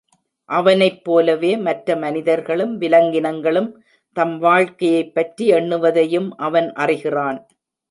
அவனைப்போலவே மற்ற மனிதர்களும் விலங்கினங்களும் தம் வாழ்க்கையைப் பற்றி எண்ணுவதையும் அவன் அறிகிறான்.